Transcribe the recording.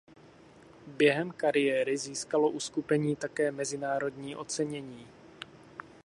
Během kariéry získalo uskupení také mezinárodní ocenění.